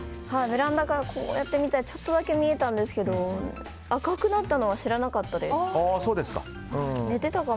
ベランダからちょっとだけ見えたんですけど赤くなったのは知らなかったです。